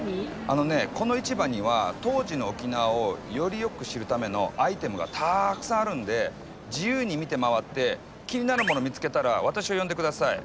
あのねこの市場には当時の沖縄をよりよく知るためのアイテムがたくさんあるんで自由に見て回って気になるもの見つけたら私を呼んでください。